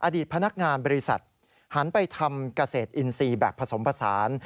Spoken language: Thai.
อดีตพนักงานบริษัทหันไปทำเกษตรอินทรีย์แบบผสมผสาน